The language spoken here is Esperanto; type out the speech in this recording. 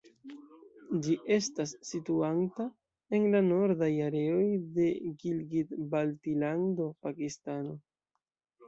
Ĝi estas situanta en la Nordaj Areoj de Gilgit-Baltilando, Pakistano.